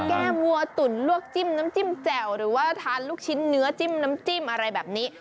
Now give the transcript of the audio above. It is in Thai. แก้มวัวตุ๋นลวกจิ้มน้ำจิ้มแจ่วหรือว่าทานลูกชิ้นเนื้อจิ้มน้ำจิ้มอะไรแบบนี้